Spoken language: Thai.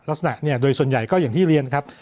ลักษณะเนี่ยโดยส่วนใหญ่ก็อย่างที่เรียนครับ